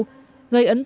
gây ấn tượng mạnh thật